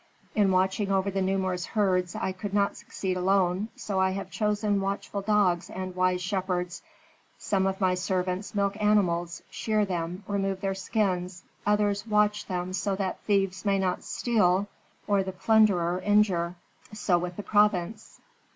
"In watching over the numerous herds I could not succeed alone; so I have chosen watchful dogs and wise shepherds. Some of my servants milk animals, shear them, remove their skins; others watch them so that thieves may not steal or the plunderer injure. So with the province.